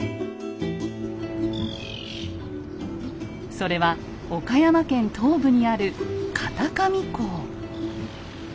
それは岡山県東部にある片上港。